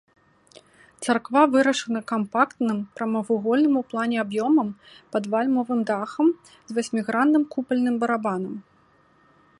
Царква вырашана кампактным прамавугольным у плане аб'ёмам пад вальмавым дахам з васьмігранным купальным барабанам.